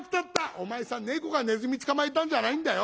「お前さん猫がネズミ捕まえたんじゃないんだよ。